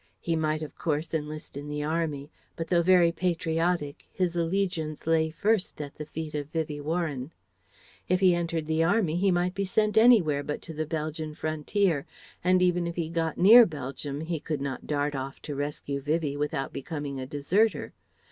He might of course enlist in the army. But though very patriotic, his allegiance lay first at the feet of Vivie Warren. If he entered the army, he might be sent anywhere but to the Belgian frontier; and even if he got near Belgium he could not dart off to rescue Vivie without becoming a deserter.